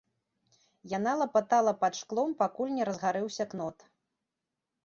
Яна лапатала пад шклом, пакуль не разгарэўся кнот.